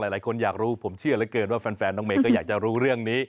หลายคนอยากรู้ผมเชื่อเหลือเกินว่าแฟนน้องเมย์ก็อยากจะรู้เรื่องนี้